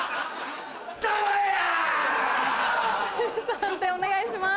判定お願いします。